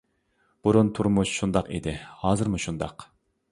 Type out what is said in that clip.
بۇرۇن تۇرمۇش شۇنداق ئىدى، ھازىرمۇ شۇنداق.